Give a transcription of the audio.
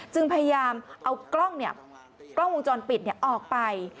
จึงพยายามเอากล้องวงจรปิดออกไป